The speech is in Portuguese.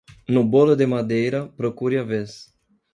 No bolo de madeira, procure a vez.